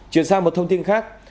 chuyển sang một thông tin khác